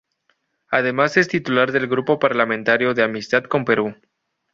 Además es titular del Grupo Parlamentario de Amistad con Perú.